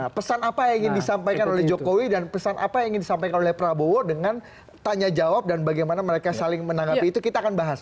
nah pesan apa yang ingin disampaikan oleh jokowi dan pesan apa yang ingin disampaikan oleh prabowo dengan tanya jawab dan bagaimana mereka saling menanggapi itu kita akan bahas